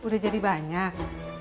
hai udah jadi banyak